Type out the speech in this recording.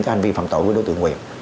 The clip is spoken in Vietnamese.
cái hành vi phạm tội với đối tượng quyền